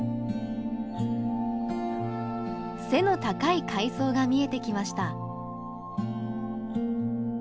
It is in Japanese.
背の高い海藻が見えてきました。